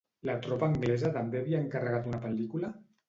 La tropa anglesa també havia encarregat una pel·lícula?